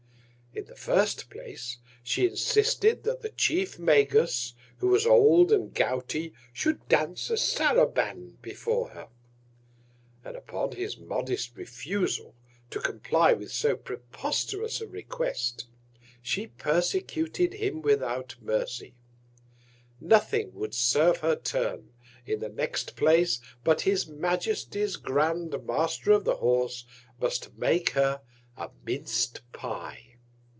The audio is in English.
In the first Place, She insisted that the Chief Magus, who was old and gouty, should dance a Saraband before her; and upon his modest Refusal to comply with so preposterous a Request, she persecuted him without Mercy: Nothing would serve her Turn, in the next Place, but his Majesty's grand Master of the Horse must make her a Minc'd pye.